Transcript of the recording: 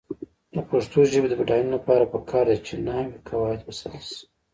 د پښتو ژبې د بډاینې لپاره پکار ده چې نحوي قواعد وساتل شي.